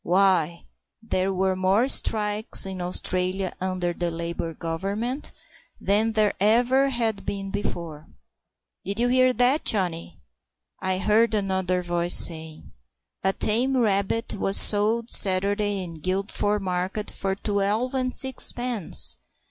Why, there were more strikes in Australia under the Labour Government than there ever had been before." "Did you hear that, Johnny?" I heard another voice saying. "A tame rabbit was sold Sat'day in Guildford market for twelve and sixpence!"